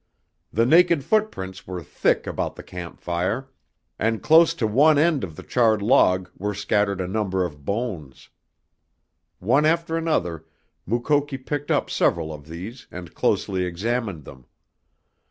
The naked footprints were thick about the camp fire, and close to one end of the charred log were scattered a number of bones. One after another Mukoki picked up several of these and closely examined them.